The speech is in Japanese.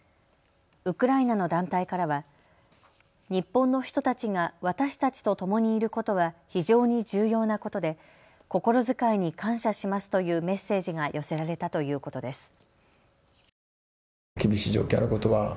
ウクライナの団体からは日本の人たちが私たちとともにいることは非常に重要なことで、心遣いに感謝しますというメッセージが寄せられたということです。